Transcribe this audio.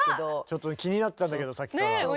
ちょっと気になってたんだけどさっきから。